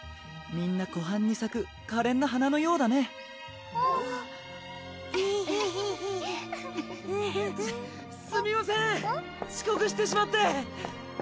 みんな湖畔に咲くかれんな花のようだねデヘヘヘフフフすみません遅刻してしまって！